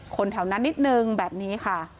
แถวนั้นนิดนึงแบบนี้ค่ะ